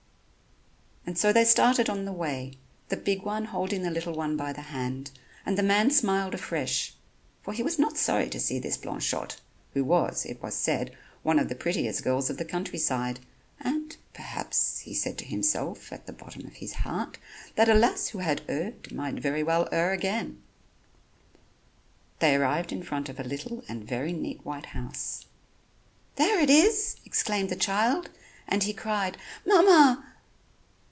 And so they started on the way, the big one holding the little one by the hand, and the man smiled afresh, for he was not sorry to see this Blanchotte, who was, it was said, one of the prettiest girls of the country side, and, perhaps, he said to himself, at the bottom of his heart, that a lass who had erred might very well err again. They arrived in front of a little and very neat white house. "There it is," exclaimed the child, and he cried "Mamma."